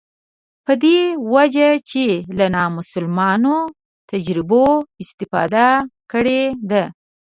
دا په دې وجه چې له نامسلمانو تجربو استفاده کړې ده.